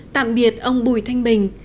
tạm biệt ông bùi thanh bình